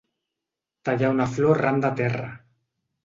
Tallar una flor arran de terra.